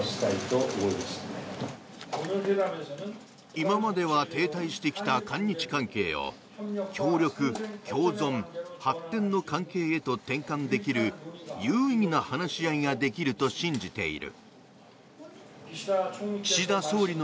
今までは停滞してきた韓日関係を協力、共存、発展の関係へと転換できる有意義な話し合いができると信じている。